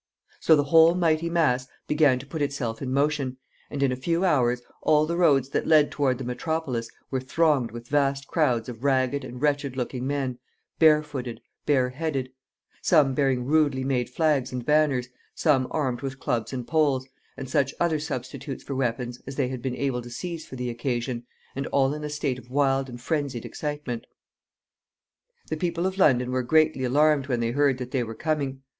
So the whole mighty mass began to put itself in motion, and in a few hours all the roads that led toward the metropolis were thronged with vast crowds of ragged and wretched looking men, barefooted, bareheaded; some bearing rudely made flags and banners, some armed with clubs and poles, and such other substitutes for weapons as they had been able to seize for the occasion, and all in a state of wild and phrensied excitement. The people of London were greatly alarmed when they heard that they were coming.